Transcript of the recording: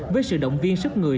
với sự động viên sức người